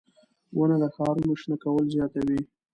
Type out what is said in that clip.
• ونه د ښارونو شنه کول زیاتوي.